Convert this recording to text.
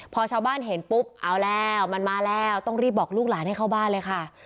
พอชาวบ้านเห็นปุ๊บเอาแล้วมันมาแล้วต้องรีบบอกลูกหลานให้เข้าบ้านเลยค่ะ